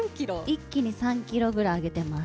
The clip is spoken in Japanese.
一気に３キロぐらい揚げてます。